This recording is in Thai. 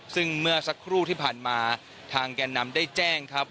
ซึ่งเมื่อสักครู่ที่ผ่านมาทางแก่นำได้แจ้งครับ